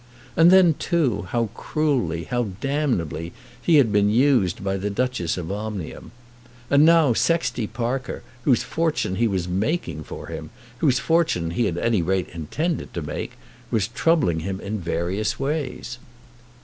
And then too how cruelly, how damnably he had been used by the Duchess of Omnium! And now Sexty Parker, whose fortune he was making for him, whose fortune he at any rate intended to make, was troubling him in various ways.